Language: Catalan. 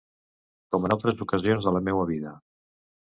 Com en altres ocasions de la meua vida.